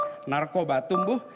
mencegah narkoba tumbuh